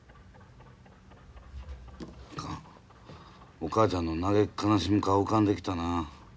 お母ちゃんの嘆き悲しむ顔浮かんできたな。